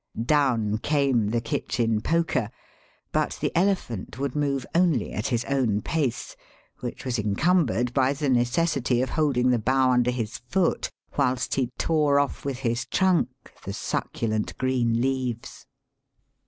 Down came the kitchen poker, but the elephant would move only at his own pace, which was encumbered by the necessity of holding the bough under his foot whilst he tore off with his trunk the succulent green leaves.